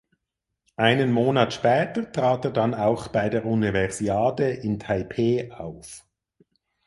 Einen Monat später trat er dann auch bei der Universiade in Taipeh auf.